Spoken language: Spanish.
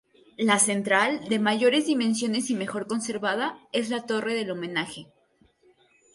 La central, de mayores dimensiones y mejor conservada, es la torre del homenaje.